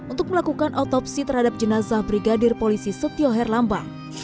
untuk melakukan otopsi terhadap jenazah brigadir polisi setio herlambang